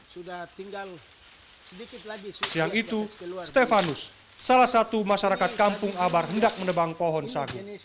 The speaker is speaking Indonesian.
siang itu stefanus salah satu masyarakat kampung abar hendak menebang pohon sagu